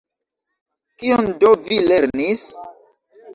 Kion do vi lernis?